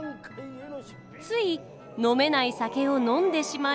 つい飲めない酒を飲んでしまい。